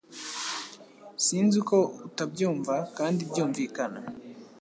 sinz uko uta byumva kandi byu mvikana